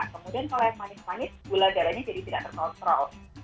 kemudian kalau yang manis manis gula darahnya jadi tidak terkontrol